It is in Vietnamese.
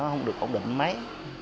không được ổn định mấy